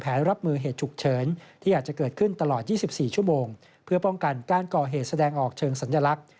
เพื่อป้องกันการก่อเหตุแสดงออกเชิงสัญลักษณ์